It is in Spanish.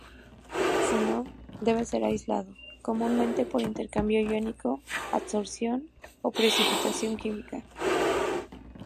Si no, debe ser aislado, comúnmente por intercambio iónico, adsorción o precipitación química.